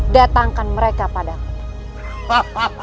datangkan mereka padaku